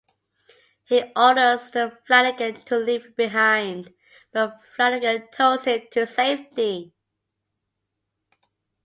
He orders Flannigan to leave him behind, but Flannigan tows him to safety.